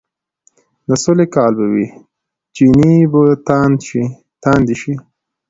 د سولې کال به وي، چينې به تاندې شي،